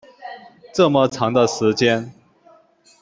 这么长的时间